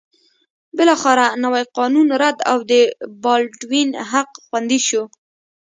بالاخره نوی قانون رد او د بالډوین حق خوندي شو.